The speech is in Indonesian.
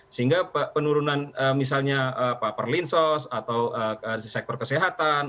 sehingga penurunan misalnya perlinsos atau sektor kesehatan